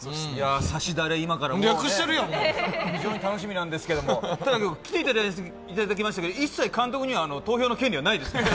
「さしだれ」、今から非常に楽しみなんですけどただ今日来ていただきましたけど、一切監督には投票の権利はないですから。